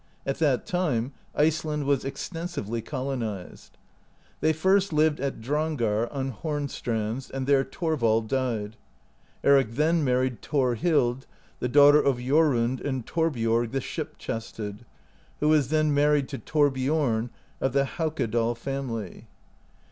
At that time Iceland was extensively colonized. They first lived at Drangar on Horn strands, and there Thorvald died. Eric then married Thorhild, the daughter of Jorund and Thorbiorg the Ship chested, who was then married to Thorbiorn of the Haukadal family.